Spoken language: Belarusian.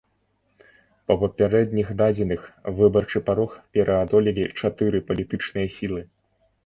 Па папярэдніх дадзеных, выбарчы парог пераадолелі чатыры палітычныя сілы.